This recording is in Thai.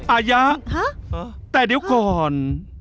อายะแต่เดี๋ยวก่อน